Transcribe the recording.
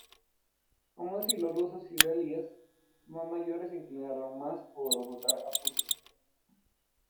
Aun así los ruso-israelíes más mayores se inclinaron más por votar a Putin.